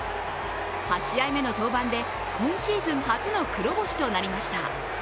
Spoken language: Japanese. ８試合目の登板で今シーズン初の黒星となりました。